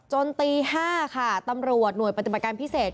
ตี๕ค่ะตำรวจหน่วยปฏิบัติการพิเศษ